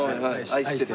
愛してる？